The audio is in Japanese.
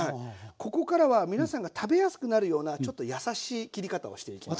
ここからは皆さんが食べやすくなるようなちょっと優しい切り方をしていきます。